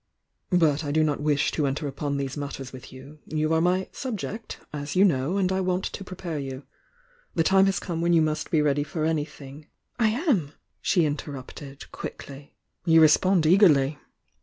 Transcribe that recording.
But I do not wish to enter upon these matters with you, — ^you are my 'subject,' as you know, and I want to prepare you. The time has come when you must be ready for anything " "I am!" she interrupted, quickly. "You respond eagerly!"